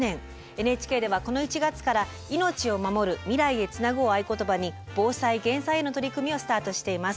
ＮＨＫではこの１月から「命をまもる未来へつなぐ」を合言葉に防災・減災への取り組みをスタートしています。